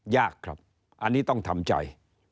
ยากครับอันนี้ต้องทำใจ